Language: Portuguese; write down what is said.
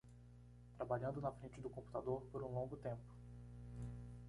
Trabalhando na frente do computador por um longo tempo